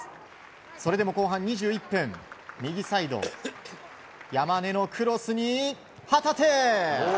それでも後半２１分右サイド、山根のクロスに旗手。